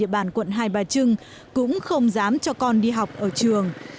địa bàn quận hai bà trưng cũng không dám cho con đi học ở trường